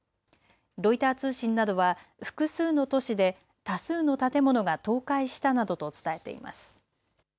ロイター通信などは複数の都市で多数の建物が倒壊したなどと伝えています。